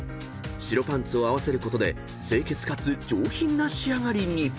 ［白パンツを合わせることで清潔かつ上品な仕上がりに］